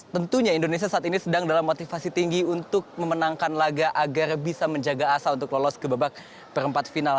tentunya indonesia saat ini sedang dalam motivasi tinggi untuk memenangkan laga agar bisa menjaga asa untuk lolos ke babak perempat final